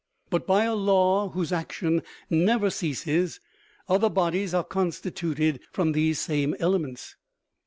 But by a law whose action never ceases other bodies are constituted from these same elements.